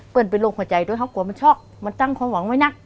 เป็นโรคหัวใจด้วยเขากลัวมันช็อกมันตั้งความหวังไว้นัก